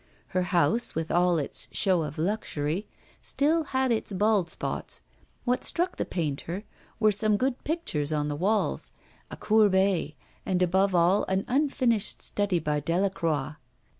Her house, with all its show of luxury, still had its bald spots. What struck the painter were some good pictures on the walls, a Courbet, and, above all, an unfinished study by Delacroix.